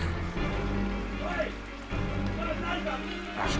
tidak ada masalah